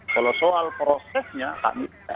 kalau soal prosesnya kami